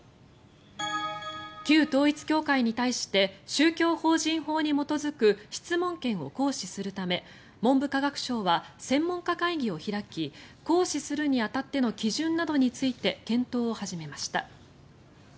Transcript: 旧統一教会に対して宗教法人法に基づく質問権を行使するため文部科学省は専門家会議を開き行使するに当たっての基準などについて検討を始めました。